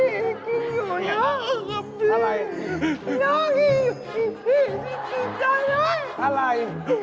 ยกพี่ยกอยู่นะครับพี่ประกับอะไร